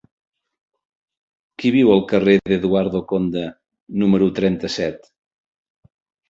Qui viu al carrer d'Eduardo Conde número trenta-set?